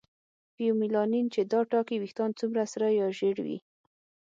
فیومیلانین چې دا ټاکي ویښتان څومره سره یا ژېړ وي.